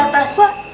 ini kita ada di atas